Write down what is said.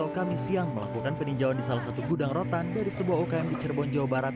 kami siang melakukan peninjauan di salah satu gudang rotan dari sebuah ukm di cirebon jawa barat